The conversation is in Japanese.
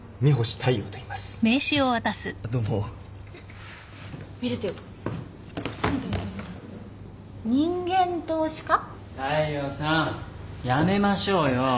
大陽さんやめましょうよ。